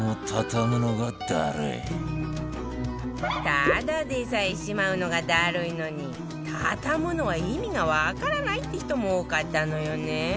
ただでさえしまうのがダルいのに畳むのは意味がわからないって人も多かったのよね